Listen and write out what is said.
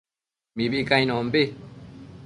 Mibi cainonbi